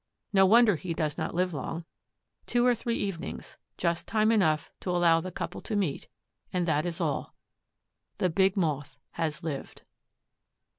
No wonder he does not live long. Two or three evenings, just time enough to allow the couple to meet, and that is all; the big Moth has lived.